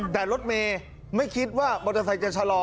แต่รถเมย์ไม่คิดว่ามอเตอร์ไซค์จะชะลอ